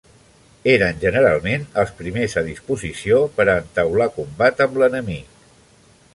Eren generalment els primers a disposició per a entaular combat amb l'enemic.